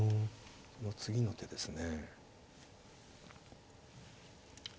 その次の手ですね。